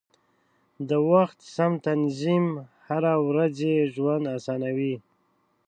د وخت سم تنظیم هره ورځي ژوند اسانوي.